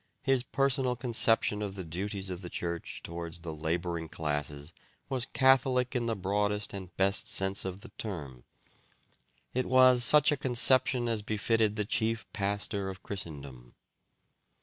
His personal conception of the duties of the Church towards the labouring classes was catholic in the broadest and best sense of the term. It was such a conception as befitted the chief pastor of Christendom."